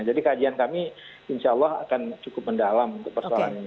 jadi kajian kami insya allah akan cukup mendalam untuk persoalan ini